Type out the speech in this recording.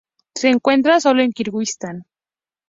Se encuentra sólo en Kirguistán.